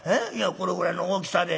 これぐらいの大きさで。